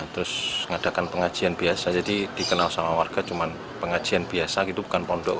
terus mengadakan pengajian biasa jadi dikenal sama warga cuma pengajian biasa gitu bukan pondok